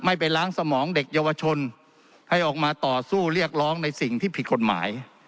ไปล้างสมองเด็กเยาวชนให้ออกมาต่อสู้เรียกร้องในสิ่งที่ผิดกฎหมาย